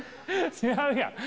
違うやん。